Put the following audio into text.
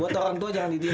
buat orang tua jangan ditiru